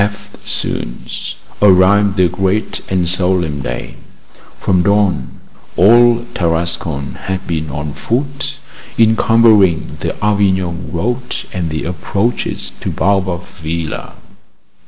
EFTSOON arrived the great and solemn day. From dawn all Tarascon had been on foot, encumbering the Avignon road and the approaches to Baobab Villa.